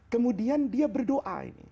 kemudian dia berdoa